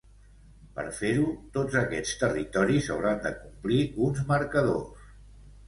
Per fer-ho, tots aquests territoris hauran de complir uns marcadors.